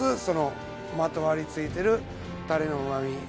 そのまとわりついてるタレの旨味